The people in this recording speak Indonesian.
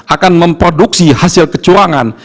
akan memproduksi hasil kecurangan